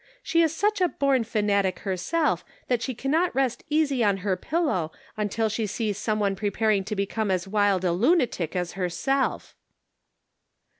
She is such a born fanatic herself that she cannot rest easy on her pillow until she sees some one preparing to become as wild a lunatic as herself."